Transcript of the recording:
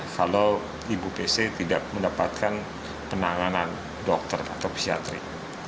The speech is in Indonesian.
kalau ibu pc tidak mendapatkan penanganan dokter atau psiatrik